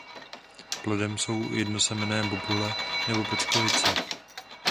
Plodem jsou jednosemenné bobule nebo peckovice.